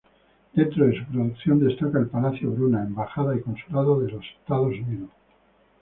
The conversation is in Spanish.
Dentro de su producción destaca el palacio Bruna, embajada y consulado de Estados Unidos.